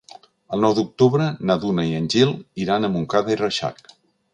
El nou d'octubre na Duna i en Gil iran a Montcada i Reixac.